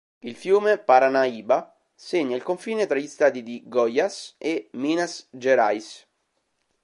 Il fiume Paranaíba segna il confine tra gli Stati di Goiás e Minas Gerais.